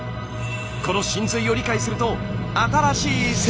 この神髄を理解すると新しい世界が！